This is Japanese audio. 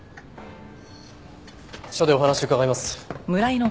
署でお話を伺います。